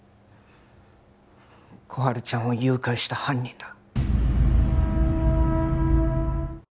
心春ちゃんを誘拐した犯人だ